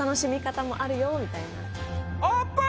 オープン！